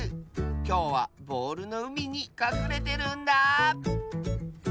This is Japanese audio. きょうはボールのうみにかくれてるんだあ。